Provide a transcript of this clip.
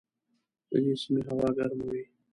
د دې سیمې هوا ګرمه وي.